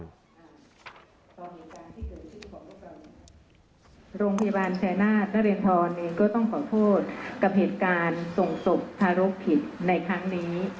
ตอนเหตุการณ์ที่เกิดที่ของโรงพยาบาล